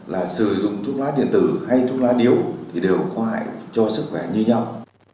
là sử dụng thuốc lá điện tử hay thuốc lá điêu thì đều có hại cho sức khỏe như nhau